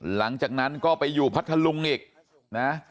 หลังจากนั้นก็ไปอยู่พัทธลุงอีกนะ